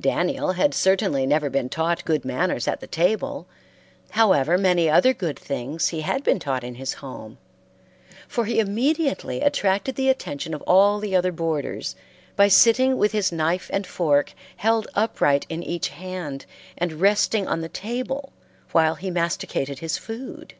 Daniel had certainly never been taught good manners at the table, however many other good things he had been taught in his home, for he immediately attracted the attention of all the other boarders by sitting with his knife and fork held upright in each hand and resting on the table while he masticated his food.